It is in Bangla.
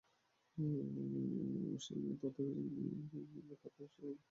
ওশির তথ্য অনুযায়ী, নির্মাণ খাতের পরে পোশাক খাতে হতাহতের সংখ্যা সর্বাধিক।